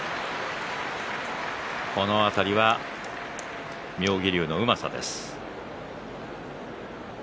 この辺りは妙義龍のうまさです。